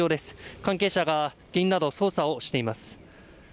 関係者が捜査をしています。